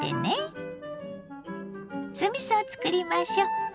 酢みそを作りましょう。